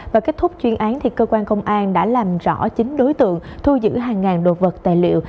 và kết thúc chuyên án cơ quan công an đã làm rõ chính đối tượng thu giữ hàng ngàn đồ vật tài liệu